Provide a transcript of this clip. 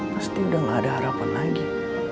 pasti udah gak ada harapan lagi